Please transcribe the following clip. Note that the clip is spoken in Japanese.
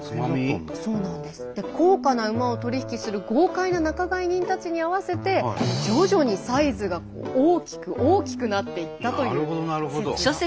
高価な馬を取り引きする豪快な仲買人たちに合わせて徐々にサイズが大きく大きくなっていったという説があるそうなんです。